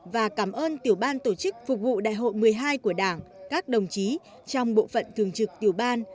và cảm ơn tiểu ban tổ chức phục vụ đại hội một mươi hai của đảng các đồng chí trong bộ phận thường trực tiểu ban